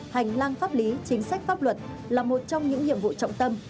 hành lang pháp lý chính sách pháp luật là một trong những nhiệm vụ trọng tâm